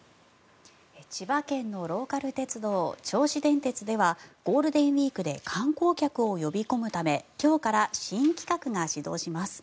千葉県のローカル鉄道銚子電鉄ではゴールデンウィークで観光客を呼び込むため今日から新企画が始動します。